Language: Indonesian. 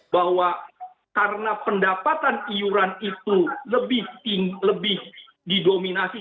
bahwa karena pendapatan iuran itu lebih didominasi